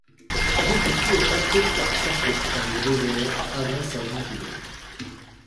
Jésus-Christ est tenté par Satan dans le désert avant sa vie publique.